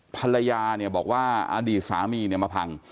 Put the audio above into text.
ภรรยาเนี่ยบอกว่าอดีตสามีเนี่ยมาพัง